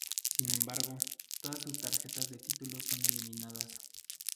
Sin embargo, todas sus tarjetas de título son eliminadas.